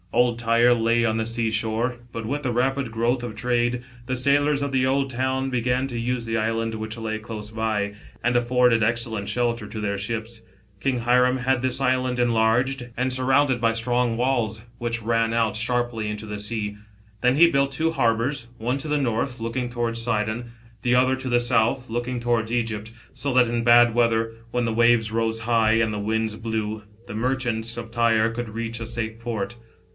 Old Tyre lay on the sea shore, but with the rapid growth of trade, the sailors of the old town, began to use the island which lay close by, and afforded excallent shelter to their ships. King Hiram had this island enlarged and surrounded by strong walls, which ran out sharply into the sea. Then he built two harbours, one to the north, looking towards Sidon ; the other to the south, looking towards Egypt, so that in bad weather, when the waves rose high and the winds blew, the merchants of Tyre could reach a safe port.